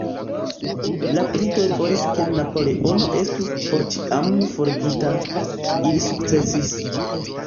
La Britoj volis ke Napoleono estu porĉiame forigita; ili sukcesis.